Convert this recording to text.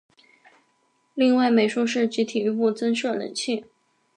另外美术室及体育部增设冷气。